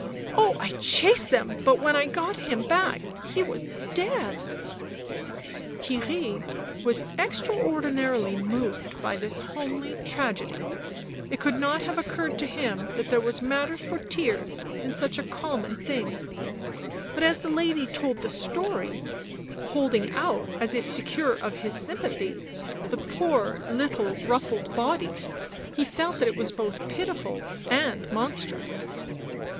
Oh, I chased them, but when I got him back he was dead." Theirry was extraordinarily moved by this homely tragedy; it could not have occurred to him that there was matter for tears in such a common thing; but as the lady told the story, holding out, as if secure of his sympathy, the poor little ruffled body, he felt that it was both pitiful and monstrous.